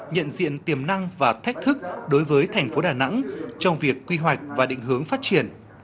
nhận diện tiềm năng và thách thức đối với thành phố đà nẵng trong việc quy hoạch và định hướng phát triển